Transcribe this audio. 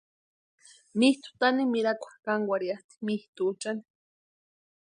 Mitʼu tanimirhakwa kankwarhiatʼi mitʼuchani.